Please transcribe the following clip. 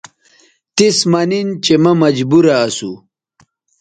تِس مہ نِن چہءمہ مجبورہ اسُو